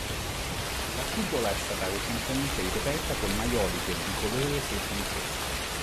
La cupola è stata recentemente ricoperta con maioliche bicolore seicentesche.